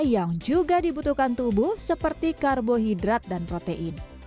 yang juga dibutuhkan tubuh seperti karbohidrat dan protein